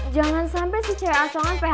jangan sampai si cewek asongan php in gue